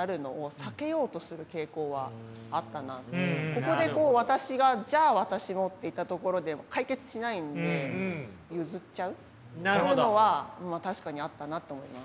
ここで私が「じゃあ私も！」って言ったところで解決しないんで譲っちゃうっていうのは確かにあったなと思います。